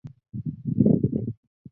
埃尔河畔圣科隆布。